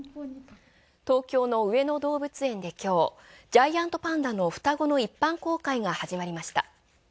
東京の上野動物園で今日、ジャイアントパンダの双子の一般公開が始まりました。